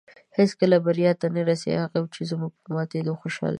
هېڅکله بریا ته نۀ رسېږو. هغوی به زموږ په ماتېدو خوشحاله شي